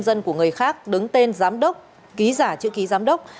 các công dân của người khác đứng tên giám đốc ký giả chữ ký giám đốc